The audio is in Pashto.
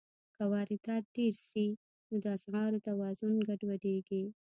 که واردات ډېر شي، نو د اسعارو توازن ګډوډېږي.